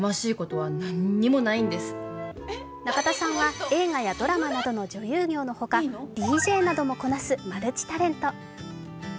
中田さんは映画やドラマなどの女優業のほか、ＤＪなどもこなすマルチタレント。